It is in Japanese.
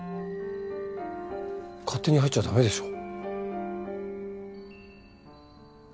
勝手に入っちゃ駄目でしょ？